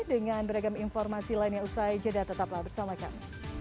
terima kasih elvira selamat malam